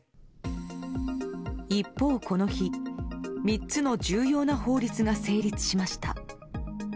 一方、この日３つの重要な法律が成立しました。